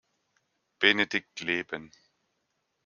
Benedikt leben.